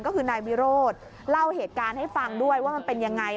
ก็คือนายวิโรธเล่าเหตุการณ์ให้ฟังด้วยว่ามันเป็นยังไง